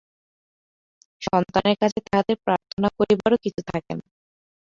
সন্তানের কাছে তাঁহাদের প্রার্থনা করিবারও কিছু থাকে না।